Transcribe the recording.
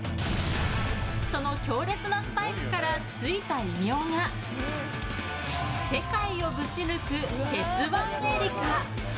その強烈なスパイクからついた異名が世界をぶち抜く鉄腕エリカ。